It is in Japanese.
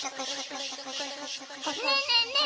ねえねえねえ。